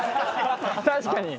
確かに！